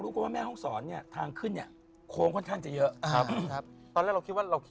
แจ๊คจิลวันนี้เขาสองคนไม่ได้มามูเรื่องกุมาทองอย่างเดียวแต่ว่าจะมาเล่าเรื่องประสบการณ์นะครับ